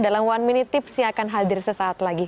dalam one minute tips saya akan hadir sesaat lagi